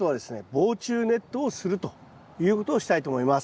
防虫ネットをするということをしたいと思います。